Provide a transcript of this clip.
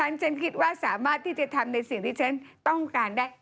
ฉันคิดว่าสามารถที่จะทำในสิ่งที่ฉันต้องการได้